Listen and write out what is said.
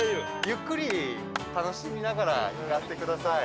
ゆっくり楽しみながらやってください。